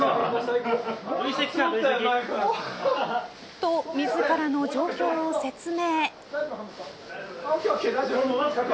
と、自らの状況を説明。